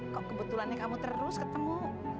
kok kebetulannya kamu terus ketemu